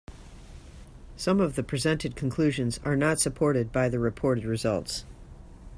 Some of the presented conclusions are not supported by the reported results.